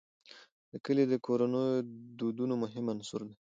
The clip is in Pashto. دا کلي د کورنیو د دودونو مهم عنصر دی.